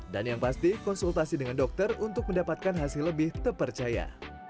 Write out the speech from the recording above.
dan yang pasti konsultasi dengan dokter untuk mendapatkan hasil lebih terpercaya